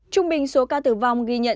trung bình số ca tử vong ghi nhận